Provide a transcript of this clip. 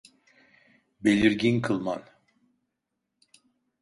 Belirgin kılman.